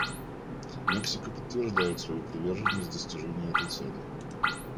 Мексика подтверждает свою приверженность достижению этой цели.